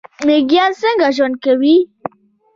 میږیان څنګه ژوند کوي؟